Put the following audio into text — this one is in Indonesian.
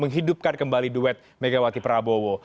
menghidupkan kembali duet megawati prabowo